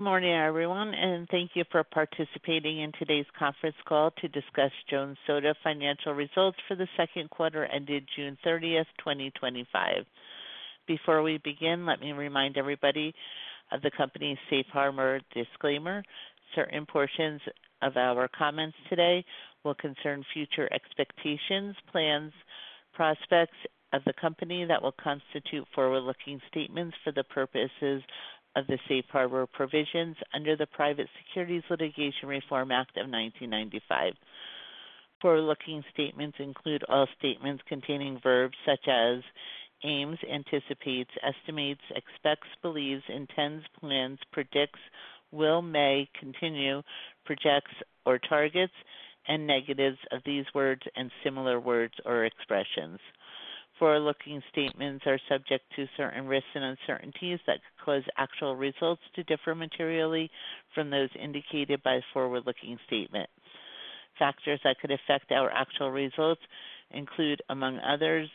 Good morning, everyone, and thank you for participating in today's conference call to discuss Jones Soda's financial results for the second quarter ended June 30, 2025. Before we begin, let me remind everybody of the company's safe harbor disclaimer. Certain portions of our comments today will concern future expectations, plans, and prospects of the company that will constitute forward-looking statements for the purposes of the safe harbor provisions under the Private Securities Litigation Reform Act of 1995. Forward-looking statements include all statements containing verbs such as aims, anticipates, estimates, expects, believes, intends, plans, predicts, will, may, continue, projects, or targets, and negatives of these words and similar words or expressions. Forward-looking statements are subject to certain risks and uncertainties that could cause actual results to differ materially from those indicated by a forward-looking statement. Factors that could affect our actual results include, among others,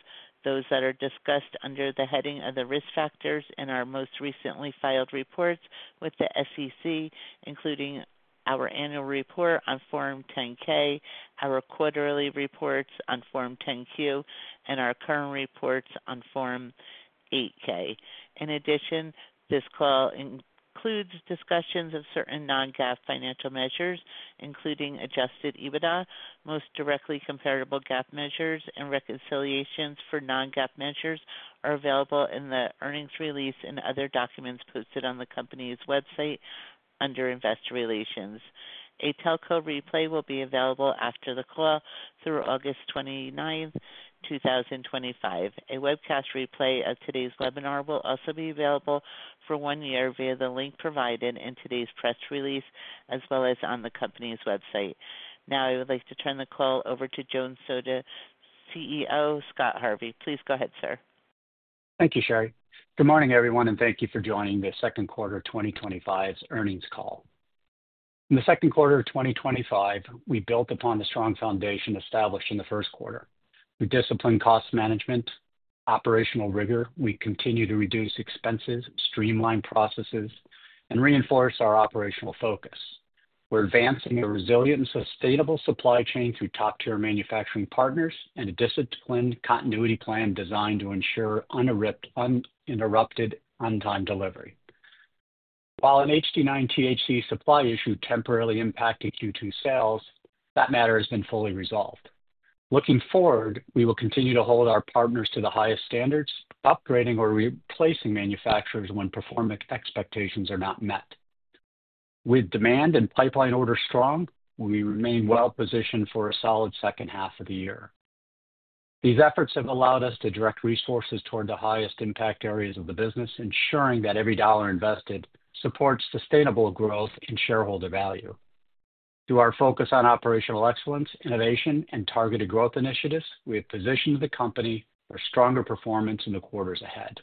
those that are discussed under the heading of the risk factors in our most recently filed reports with the SEC, including our annual report on Form 10-K, our quarterly reports on Form 10-Q, and our current reports on Form 8-K. In addition, this call includes discussions of certain non-GAAP financial measures, including adjusted EBITDA, most directly comparable GAAP measures, and reconciliations for non-GAAP measures are available in the earnings release and other documents posted on the company's website under investor relations. A telco replay will be available after the call through August 29, 2025. A webcast replay of today's webinar will also be available for one year via the link provided in today's press release, as well as on the company's website. Now, I would like to turn the call over to Jones Soda CEO, Scott Harvey. Please go ahead, sir. Thank you, Sherri. Good morning, everyone, and thank you for joining the Second Quarter of 2025's Earnings Call. In the second quarter of 2025, we built upon the strong foundation established in the first quarter. We disciplined cost management and operational rigor. We continue to reduce expenses, streamline processes, and reinforce our operational focus. We're advancing a resilient and sustainable supply chain through top-tier manufacturing partners and a disciplined continuity plan designed to ensure uninterrupted, on-time delivery. While an HD9 THC supply issue temporarily impacted Q2 sales, that matter has been fully resolved. Looking forward, we will continue to hold our partners to the highest standards, upgrading or replacing manufacturers when performance expectations are not met. With demand and pipeline orders strong, we remain well-positioned for a solid second half of the year. These efforts have allowed us to direct resources toward the highest impact areas of the business, ensuring that every dollar invested supports sustainable growth and shareholder value. Through our focus on operational excellence, innovation, and targeted growth initiatives, we have positioned the company for stronger performance in the quarters ahead.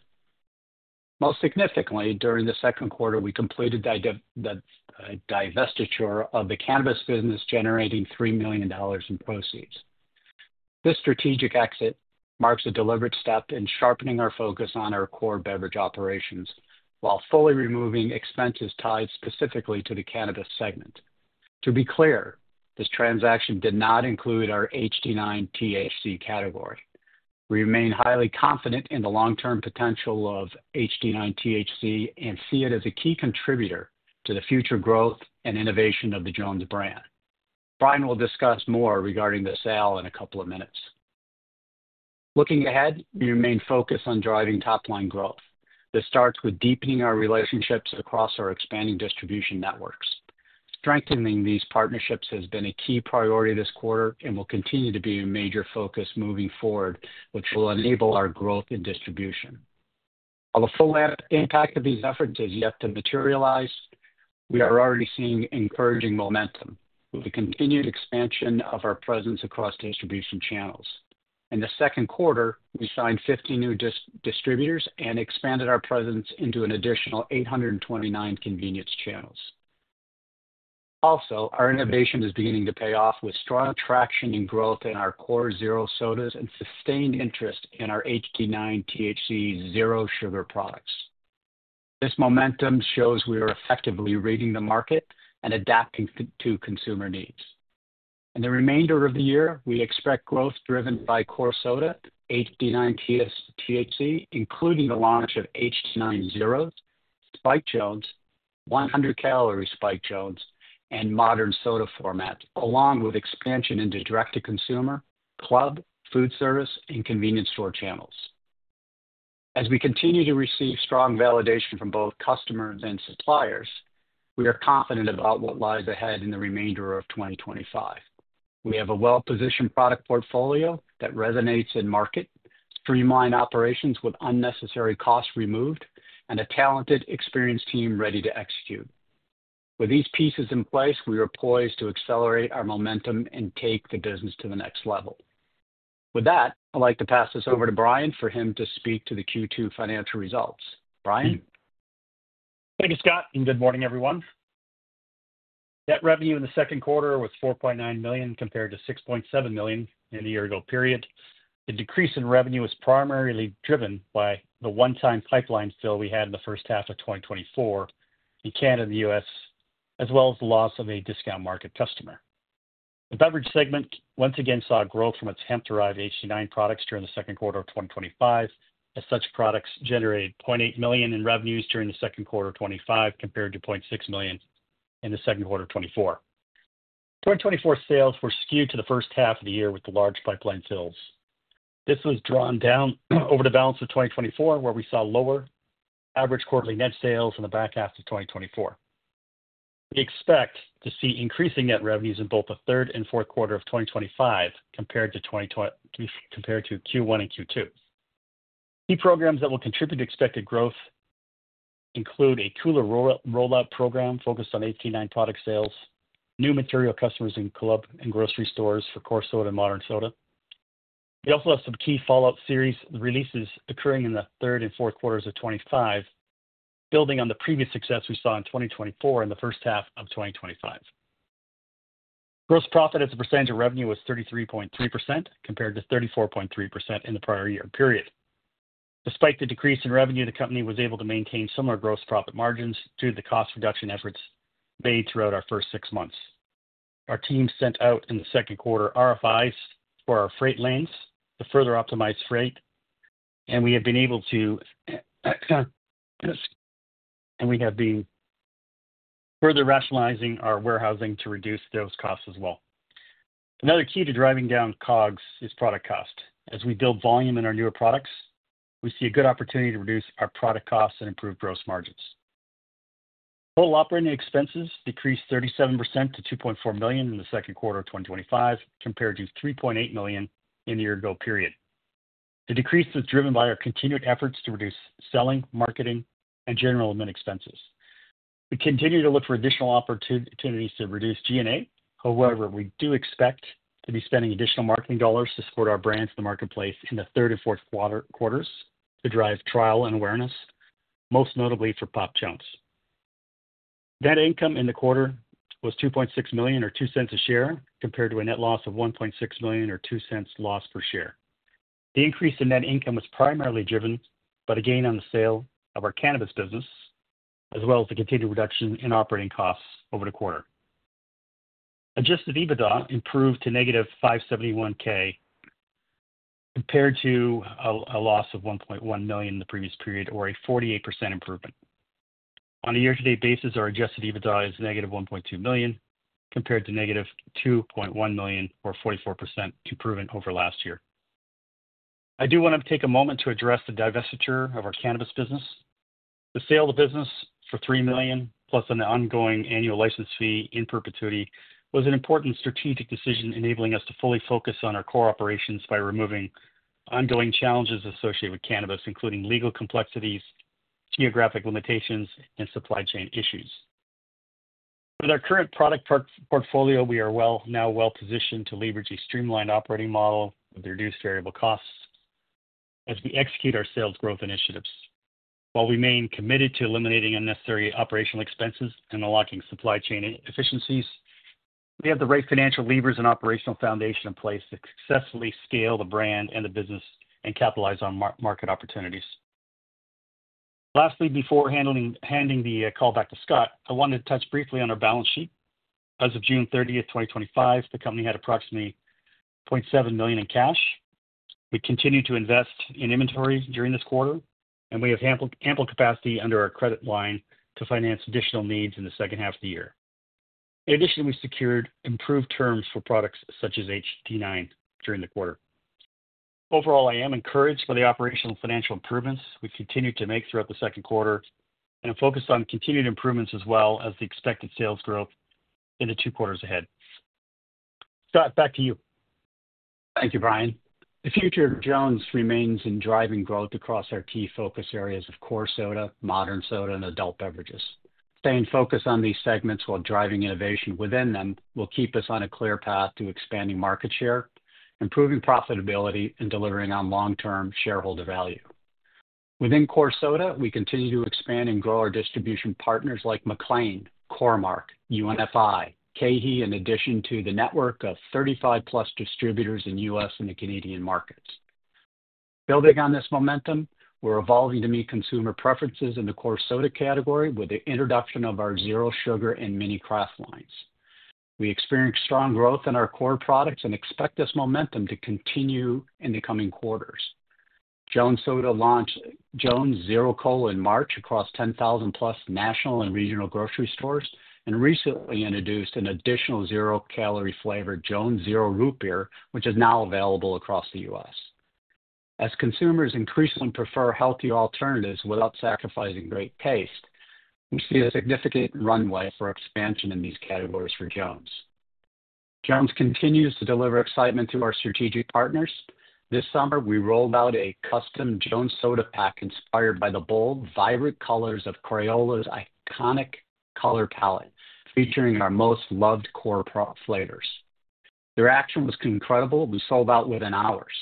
Most significantly, during the second quarter, we completed the divestiture of the cannabis business, generating $3 million in proceeds. This strategic exit marks a deliberate step in sharpening our focus on our core beverage operations while fully removing expenses tied specifically to the cannabis segment. To be clear, this transaction did not include our HD9 THC category. We remain highly confident in the long-term potential of HD9 THC and see it as a key contributor to the future growth and innovation of the Jones brand. Brian will discuss more regarding the sale in a couple of minutes. Looking ahead, we remain focused on driving top-line growth. This starts with deepening our relationships across our expanding distribution networks. Strengthening these partnerships has been a key priority this quarter and will continue to be a major focus moving forward, which will enable our growth in distribution. While the full impact of these efforts is yet to materialize, we are already seeing encouraging momentum with the continued expansion of our presence across distribution channels. In the second quarter, we signed 50 new distributors and expanded our presence into an additional 829 convenience channels. Also, our innovation is beginning to pay off with strong traction and growth in our core zero sodas and sustained interest in our HD9 THC zero sugar products. This momentum shows we are effectively reading the market and adapting to consumer needs. In the remainder of the year, we expect growth driven by core soda, HD9 THC, including the launch of HD9 Zeros, Spike Jones, 100-calorie Spike Jones, and modern soda formats, along with expansion into direct-to-consumer, club, food service, and convenience store channels. As we continue to receive strong validation from both customers and suppliers, we are confident about what lies ahead in the remainder of 2025. We have a well-positioned product portfolio that resonates in market, streamlined operations with unnecessary costs removed, and a talented, experienced team ready to execute. With these pieces in place, we are poised to accelerate our momentum and take the business to the next level. With that, I'd like to pass this over to Brian for him to speak to the Q2 financial results. Brian? Thank you, Scott, and good morning, everyone. Net revenue in the second quarter was $4.9 million compared to $6.7 million in the year-ago period. The decrease in revenue was primarily driven by the one-time pipeline fill we had in the first half of 2024 in Canada and the U.S., as well as the loss of a discount market customer. The beverage segment once again saw growth from its hemp-derived HD9 products during the second quarter of 2025, as such products generated $0.8 million in revenues during the second quarter of 2025 compared to $0.6 million in the second quarter of 2024. 2024 sales were skewed to the first half of the year with the large pipeline fills. This was drawn down over the balance of 2024, where we saw lower average quarterly net sales in the back half of 2024. We expect to see increasing net revenues in both the third and fourth quarter of 2025 compared to Q1 and Q2. Key programs that will contribute to expected growth include a Kula rollout program focused on HD9 product sales, new material customers in club and grocery stores for core soda and modern soda. We also have some key follow-up series releases occurring in the third and fourth quarters of 2025, building on the previous success we saw in 2024 in the first half of 2025. Gross profit as a percentage of revenue was 33.3% compared to 34.3% in the prior year period. Despite the decrease in revenue, the company was able to maintain similar gross profit margins through the cost reduction efforts made throughout our first six months. Our team sent out in the second quarter RFIs for our freight lanes to further optimize freight, and we have been able to further rationalize our warehousing to reduce those costs as well. Another key to driving down COGS is product cost. As we build volume in our newer products, we see a good opportunity to reduce our product costs and improve gross margins. Total operating expenses decreased 37% to $2.4 million in the second quarter of 2025 compared to $3.8 million in the year-ago period. The decrease was driven by our continued efforts to reduce selling, marketing, and general admin expenses. We continue to look for additional opportunities to reduce G&A. However, we do expect to be spending additional marketing dollars to support our brands in the marketplace in the third and fourth quarters to drive trial and awareness, most notably for Pop Jones. Net income in the quarter was $2.6 million or $0.02 a share compared to a net loss of $1.6 million or $0.02 loss per share. The increase in net income was primarily driven by the gain on the sale of our cannabis business, as well as the continued reduction in operating costs over the quarter. Adjusted EBITDA improved to negative $571,000 compared to a loss of $1.1 million in the previous period, or a 48% improvement. On a year-to-date basis, our adjusted EBITDA is negative $1.2 million compared to negative $2.1 million, or 44% improvement over last year. I do want to take a moment to address the divestiture of our cannabis business. The sale of the business for $3 million, plus an ongoing annual license fee in perpetuity, was an important strategic decision enabling us to fully focus on our core operations by removing ongoing challenges associated with cannabis, including legal complexities, geographic limitations, and supply chain issues. With our current product portfolio, we are now well-positioned to leverage a streamlined operating model with reduced variable costs as we execute our sales growth initiatives. While we remain committed to eliminating unnecessary operational expenses and unlocking supply chain efficiencies, we have the right financial levers and operational foundation in place to successfully scale the brand and the business and capitalize on market opportunities. Lastly, before handing the call back to Scott, I wanted to touch briefly on our balance sheet. As of June 30, 2025, the company had approximately $0.7 million in cash. We continue to invest in inventory during this quarter, and we have ample capacity under our credit line to finance additional needs in the second half of the year. In addition, we secured improved terms for products such as HD9 during the quarter. Overall, I am encouraged by the operational and financial improvements we've continued to make throughout the second quarter and focus on continued improvements as well as the expected sales growth in the two quarters ahead. Scott, back to you. Thank you, Brian. The future of Jones remains in driving growth across our key focus areas of core soda, modern soda, and adult beverages. Staying focused on these segments while driving innovation within them will keep us on a clear path to expanding market share, improving profitability, and delivering on long-term shareholder value. Within core soda, we continue to expand and grow our distribution partners like McLane, Core-Mark, UNFI, KeHE, in addition to the network of 35+ distributors in the U.S. and the Canadian markets. Building on this momentum, we're evolving to meet consumer preferences in the core soda category with the introduction of our zero sugar and mini craft lines. We experience strong growth in our core products and expect this momentum to continue in the coming quarters. Jones Soda launched Jones Zero Cola in March across 10,000+ national and regional grocery stores and recently introduced an additional zero-calorie flavor, Jones Zero Root Beer, which is now available across the U.S. As consumers increasingly prefer healthier alternatives without sacrificing great taste, we see a significant runway for expansion in these categories for Jones. Jones continues to deliver excitement to our strategic partners. This summer, we rolled out a custom Jones Soda pack inspired by the bold, vibrant colors of Crayola's iconic color palette, featuring our most loved core flavors. Their reaction was incredible and sold out within hours.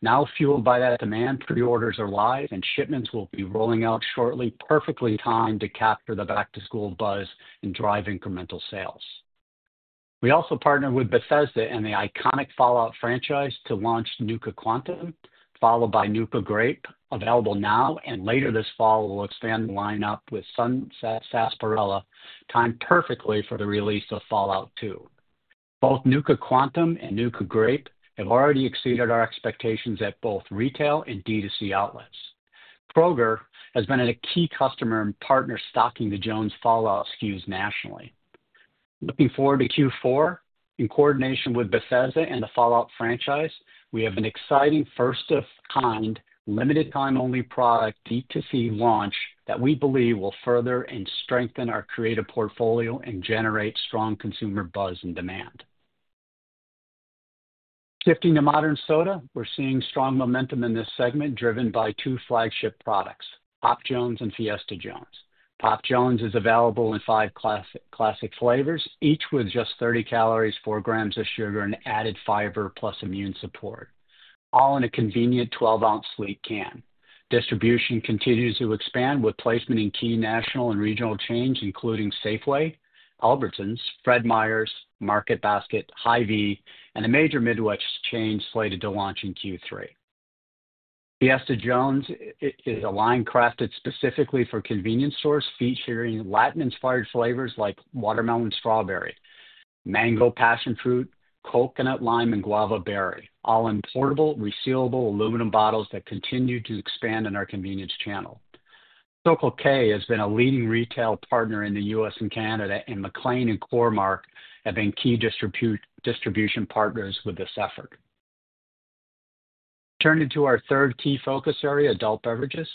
Now fueled by that demand, pre-orders are live and shipments will be rolling out shortly, perfectly timed to capture the back-to-school buzz and drive incremental sales. We also partnered with Bethesda and the iconic Fallout franchise to launch Nuka Quantum, followed by Nuka Grape, available now and later this fall. We'll expand the lineup with Sunset Sarsaparilla, timed perfectly for the release of Fallout 2. Both Nuka Quantum and Nuka Grape have already exceeded our expectations at both retail and D2C outlets. Kroger has been a key customer and partner stocking the Jones Fallout SKUs nationally. Looking forward to Q4, in coordination with Bethesda and the Fallout franchise, we have an exciting first-of-kind, limited-time-only product D2C launch that we believe will further and strengthen our creative portfolio and generate strong consumer buzz and demand. Shifting to modern soda, we're seeing strong momentum in this segment driven by two flagship products: Pop Jones and Fiesta Jones. Pop Jones is available in five classic flavors, each with just 30 calories, 4 grams of sugar, and added fiber plus immune support, all in a convenient 12-ounce sleek can. Distribution continues to expand with placement in key national and regional chains, including Safeway, Albertsons, Fred Meyer, Market Basket, Hy-Vee, and the major Midwest chains slated to launch in Q3. Fiesta Jones is a line crafted specifically for convenience stores, featuring Latin-inspired flavors like watermelon strawberry, mango passion fruit, coconut lime, and guava berry, all in portable, resealable aluminum bottles that continue to expand in our convenience channel. SoCal K has been a leading retail partner in the U.S. and Canada, and McLane and Core-Mark have been key distribution partners with this effort. Turning to our third key focus area, adult beverages,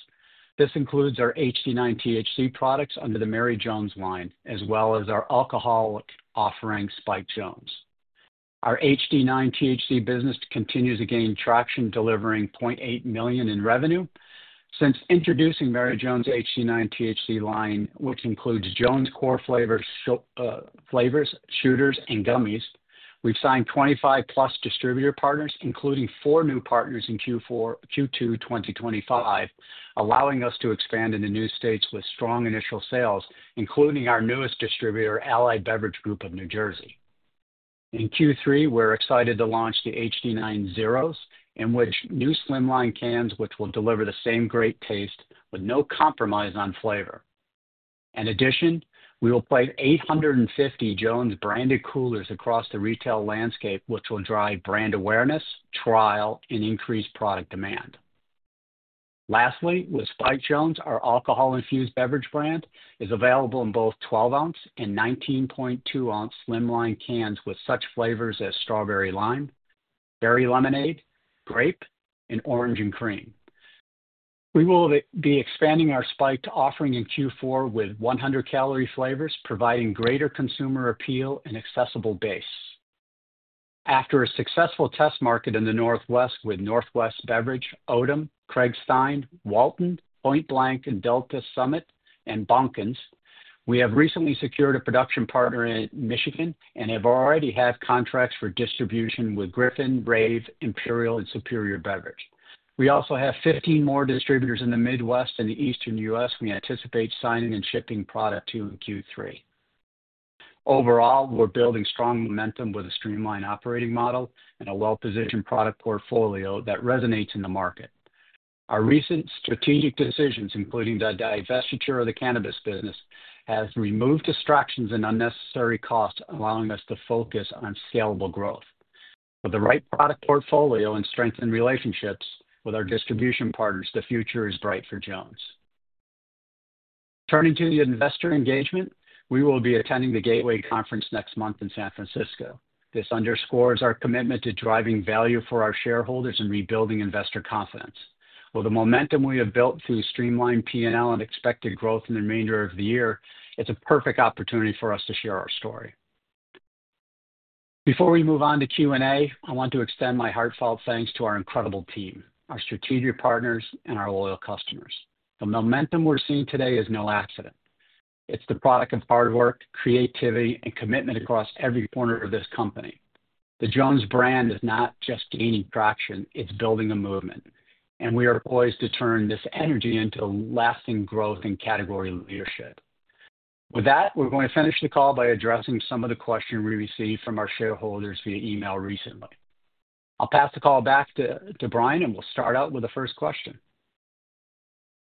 this includes our HD9 THC products under the Mary Jones line, as well as our alcoholic offering Spike Jones. Our HD9 THC business continues to gain traction, delivering $0.8 million in revenue since introducing Mary Jones HD9 THC line, which includes Jones core flavors, shooters, and gummies. We've signed 25-plus distributor partners, including four new partners in Q2 2025, allowing us to expand in the new states with strong initial sales, including our newest distributor, Allied Beverage Group of New Jersey. In Q3, we're excited to launch the HD9 ZEROs, in new slimline cans, which will deliver the same great taste with no compromise on flavor. In addition, we will place 850 Jones branded coolers across the retail landscape, which will drive brand awareness, trial, and increase product demand. Lastly, with Spike Jones, our alcohol-infused beverage brand is available in both 12-ounce and 19.2-ounce slimline cans with such flavors as strawberry lime, berry lemonade, grape, and orange and cream. We will be expanding our Spike offering in Q4 with 100-calorie flavors, providing greater consumer appeal and accessible base. After a successful test market in the Northwest with Northwest Beverage, Odom, Craigsstein, Walton, Point Blank, Delta Summit, and Bonkins, we have recently secured a production partner in Michigan and have already had contracts for distribution with Griffin, Rave, Imperial, and Superior Beverage. We also have 15 more distributors in the Midwest and the Eastern U.S. we anticipate signing and shipping product to in Q3. Overall, we're building strong momentum with a streamlined operating model and a well-positioned product portfolio that resonates in the market. Our recent strategic decisions, including the divestiture of the cannabis business, have removed distractions and unnecessary costs, allowing us to focus on scalable growth. With the right product portfolio and strengthened relationships with our distribution partners, the future is bright for Jones. Turning to the investor engagement, we will be attending the Gateway Conference next month in San Francisco. This underscores our commitment to driving value for our shareholders and rebuilding investor confidence. With the momentum we have built through streamlined P&L and expected growth in the remainder of the year, it's a perfect opportunity for us to share our story. Before we move on to Q&A, I want to extend my heartfelt thanks to our incredible team, our strategic partners, and our loyal customers. The momentum we're seeing today is no accident. It's the product of hard work, creativity, and commitment across every corner of this company. The Jones brand is not just gaining traction, it's building a movement, and we are poised to turn this energy into lasting growth and category leadership. With that, we're going to finish the call by addressing some of the questions we received from our shareholders via email recently. I'll pass the call back to Brian, and we'll start out with the first question.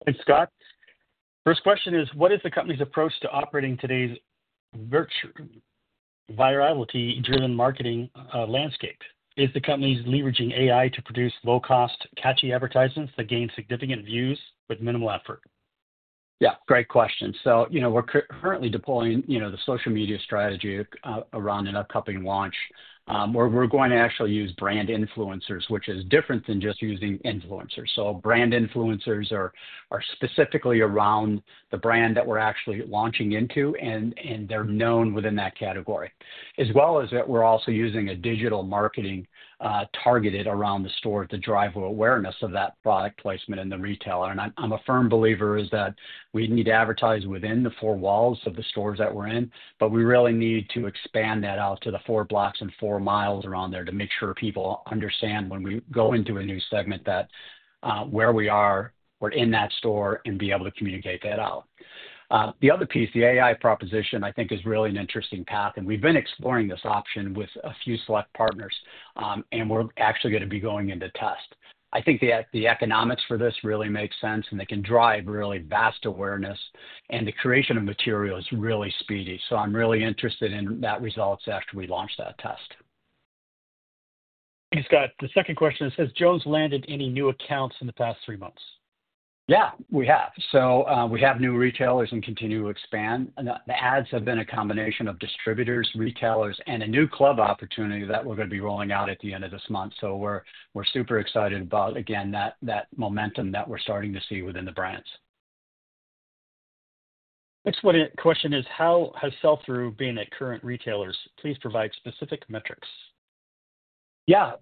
Thanks, Scott. First question is, what is the company's approach to operating today's virtual virality-driven marketing landscape? Is the company leveraging AI to produce low-cost, catchy advertisements that gain significant views with minimal effort? Yeah, great question. We're currently deploying the social media strategy around an upcoming launch. We're going to actually use brand influencers, which is different than just using influencers. Brand influencers are specifically around the brand that we're actually launching into, and they're known within that category. As well as that, we're also using a digital marketing targeted around the store to drive awareness of that product placement in the retailer. I'm a firm believer that we need to advertise within the four walls of the stores that we're in, but we really need to expand that out to the four blocks and four miles around there to make sure people understand when we go into a new segment that where we are, we're in that store and be able to communicate that out. The other piece, the AI proposition, I think is really an interesting path, and we've been exploring this option with a few select partners, and we're actually going to be going into test. I think the economics for this really make sense, and they can drive really vast awareness, and the creation of material is really speedy. I'm really interested in that result after we launch that test. Thanks, Scott. The second question is, has Jones landed any new accounts in the past three months? Yeah, we have. We have new retailers and continue to expand. The ads have been a combination of distributors, retailers, and a new club opportunity that we're going to be rolling out at the end of this month. We're super excited about, again, that momentum that we're starting to see within the brands. Next question is, how has sell-through been at current retailers? Please provide specific metrics. Yeah,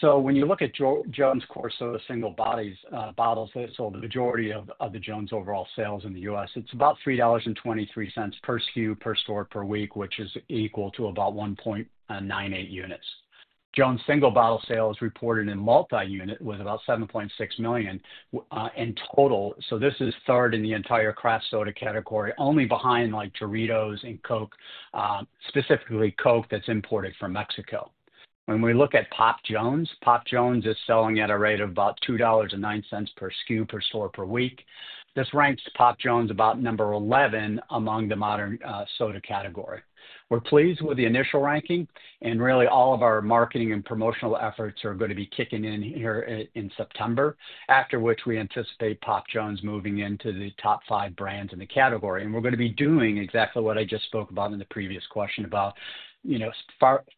so when you look at Jones core soda single bottles, they sold the majority of the Jones overall sales in the U.S. It's about $3.23 per SKU per store per week, which is equal to about 1.98 units. Jones single bottle sales reported in multi-unit was about $7.6 million in total. This is third in the entire craft soda category, only behind like Doritos and Coke, specifically Coke that's imported from Mexico. When we look at Pop Jones, Pop Jones is selling at a rate of about $2.09 per SKU per store per week. This ranks Pop Jones about number 11 among the modern soda category. We're pleased with the initial ranking, and really all of our marketing and promotional efforts are going to be kicking in here in September, after which we anticipate Pop Jones moving into the top five brands in the category. We're going to be doing exactly what I just spoke about in the previous question about, you know,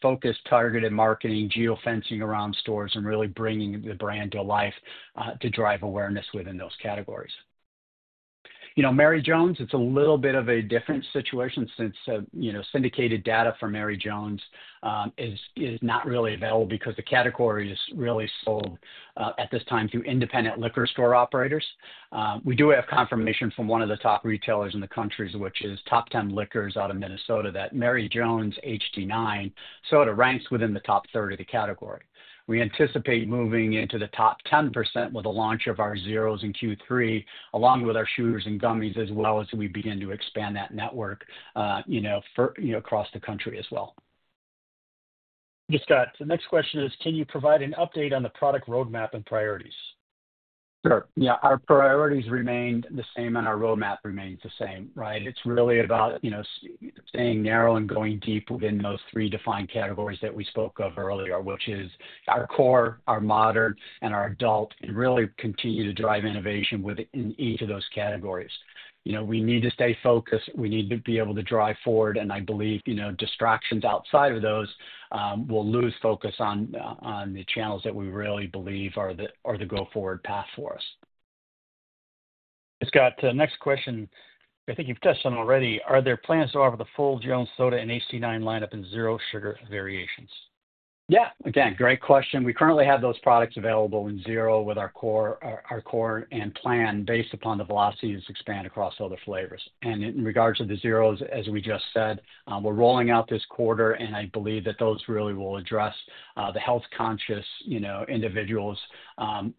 focused targeted marketing, geofencing around stores, and really bringing the brand to life to drive awareness within those categories. You know, Mary Jones, it's a little bit of a different situation since, you know, syndicated data for Mary Jones is not really available because the category is really sold at this time to independent liquor store operators. We do have confirmation from one of the top retailers in the country, which is Top 10 Liquors out of Minnesota, that Mary Jones HD9 soda ranks within the top 30 of the category. We anticipate moving into the top 10% with the launch of our Zeros in Q3, along with our shooters and gummies, as well as we begin to expand that network, you know, across the country as well. Thanks, Scott. The next question is, can you provide an update on the product roadmap and priorities? Sure. Our priorities remain the same, and our roadmap remains the same, right? It's really about staying narrow and going deep within those three defined categories that we spoke of earlier, which is our core, our modern, and our adult, and really continue to drive innovation within each of those categories. We need to stay focused. We need to be able to drive forward, and I believe distractions outside of those will lose focus on the channels that we really believe are the go-forward path for us. Thanks, Scott. Next question, I think you've touched on already. Are there plans to offer the full Jones Soda and HD9 lineup in zero sugar variations? Yeah, great question. We currently have those products available in zero with our core and plan based upon the velocity to expand across other flavors. In regards to the Zeros, as we just said, we're rolling out this quarter, and I believe that those really will address the health-conscious individuals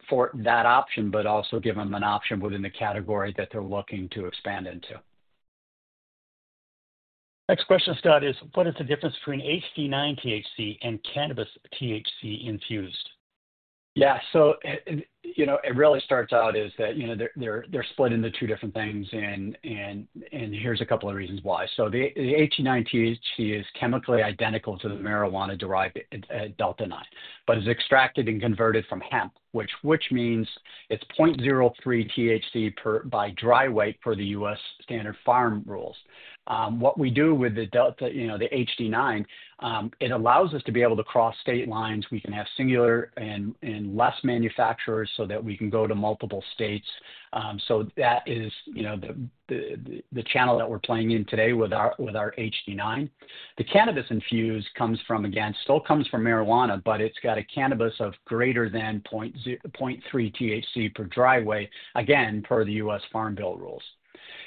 for that option, but also give them an option within the category that they're looking to expand into. Next question, Scott, is what is the difference between HD9 THC and cannabis THC infused? Yeah, it really starts out that they're split into two different things, and here's a couple of reasons why. The HD9 THC is chemically identical to the marijuana-derived Delta 9, but it's extracted and converted from hemp, which means it's 0.03% THC by dry weight per the U.S. standard farm rules. What we do with the Delta, the HD9, it allows us to be able to cross state lines. We can have singular and less manufacturers so that we can go to multiple states. That is the channel that we're playing in today with our HD9. The cannabis infused comes from, again, still comes from marijuana, but it's got a cannabis of greater than 0.03% THC per dry weight, again, per the U.S. Farm Bill rules.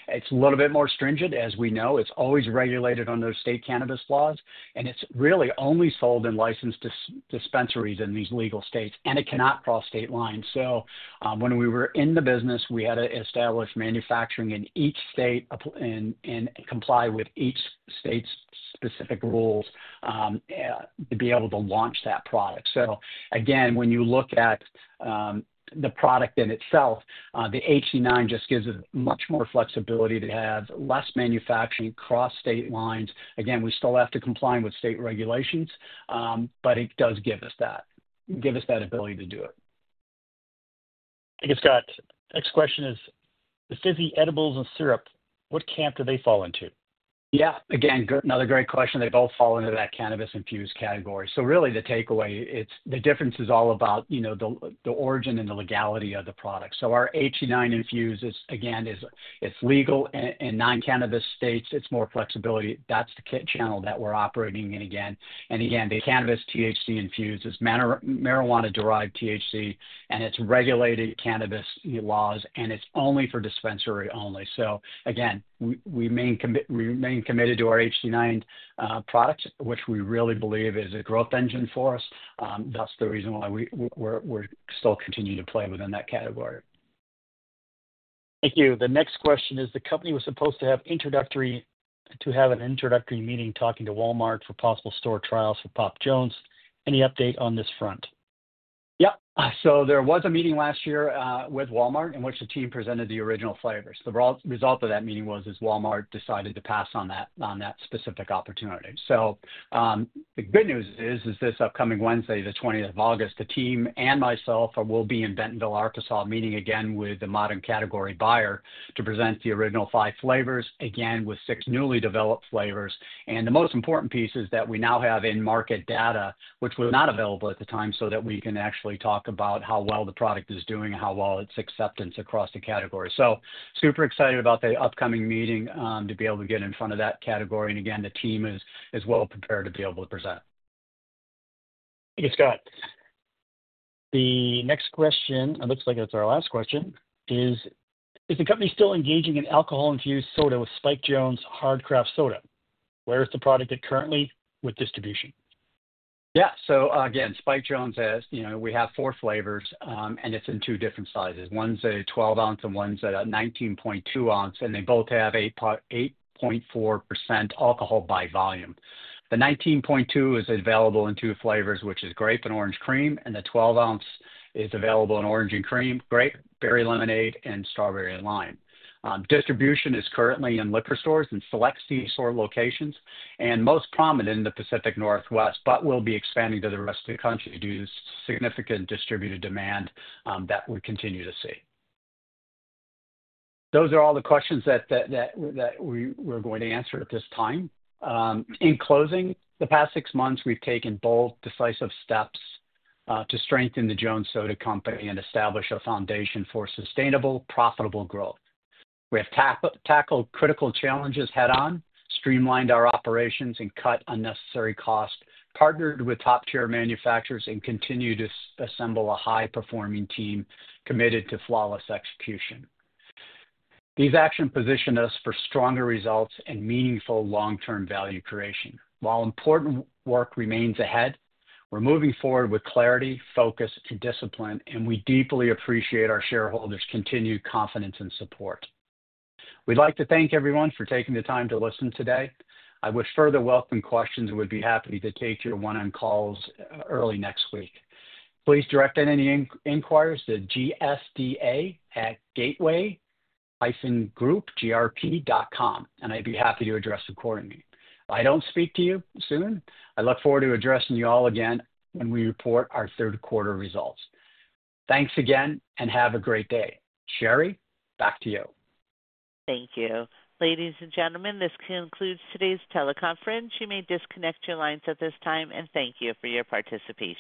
It's a little bit more stringent, as we know. It's always regulated under state cannabis laws, and it's really only sold in licensed dispensaries in these legal states, and it cannot cross state lines. When we were in the business, we had to establish manufacturing in each state and comply with each state's specific rules to be able to launch that product. When you look at the product in itself, the HD9 just gives it much more flexibility to have less manufacturing cross state lines. We still have to comply with state regulations, but it does give us that ability to do it. Thanks, Scott. Next question is, specifically edibles and syrup, what camp do they fall into? Yeah, again, another great question. They both fall into that cannabis-infused category. The takeaway, the difference is all about, you know, the origin and the legality of the product. Our HD9 infused is, again, it's legal in non-cannabis states. It's more flexibility. That's the channel that we're operating in, again. The cannabis THC infused is marijuana-derived THC, and it's regulated cannabis laws, and it's only for dispensary only. We remain committed to our HD9 product, which we really believe is a growth engine for us. That's the reason why we're still continuing to play within that category. Thank you. The next question is, the company was supposed to have an introductory meeting talking to Walmart for possible store trials for Pop Jones. Any update on this front? There was a meeting last year with Walmart in which the team presented the original flavors. The result of that meeting was Walmart decided to pass on that specific opportunity. The good news is this upcoming Wednesday, the 20th of August, the team and myself will be in Bentonville, Arkansas, meeting again with the modern category buyer to present the original five flavors, again with six newly developed flavors. The most important piece is that we now have in-market data, which was not available at the time, so that we can actually talk about how well the product is doing and how well its acceptance across the category. I am super excited about the upcoming meeting to be able to get in front of that category. The team is well prepared to be able to present. Thank you, Scott. The next question, it looks like it's our last question, is, is the company still engaging in alcohol-infused soda with Spike Jones hard craft soda? Where is the product at currently with distribution? Yeah, so again, Spike Jones has, you know, we have four flavors, and it's in two different sizes. One's a 12-ounce and one's a 19.2-ounce, and they both have 8.4% alcohol by volume. The 19.2 is available in two flavors, which is grape and orange cream, and the 12-ounce is available in orange and cream, grape, berry lemonade, and strawberry and lime. Distribution is currently in liquor stores and select c-store locations, and most prominent in the Pacific Northwest, but we'll be expanding to the rest of the country due to significant distributed demand that we continue to see. Those are all the questions that we're going to answer at this time. In closing, the past six months, we've taken bold, decisive steps to strengthen the Jones Soda Company and establish a foundation for sustainable, profitable growth. We have tackled critical challenges head-on, streamlined our operations, and cut unnecessary costs, partnered with top-tier manufacturers, and continue to assemble a high-performing team committed to flawless execution. These actions position us for stronger results and meaningful long-term value creation. While important work remains ahead, we're moving forward with clarity, focus, and discipline, and we deeply appreciate our shareholders' continued confidence and support. We'd like to thank everyone for taking the time to listen today. I would further welcome questions and would be happy to take your one-on-one calls early next week. Please direct any inquiries to dfda@gateway-group-grp.com, and I'd be happy to address accordingly. If I don't speak to you soon, I look forward to addressing you all again when we report our third quarter results. Thanks again and have a great day. Sherri, back to you. Thank you. Ladies and gentlemen, this concludes today's teleconference. You may disconnect your lines at this time, and thank you for your participation.